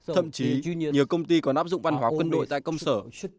thậm chí nhiều công ty có nắp dụng văn hóa quân đội tại công sở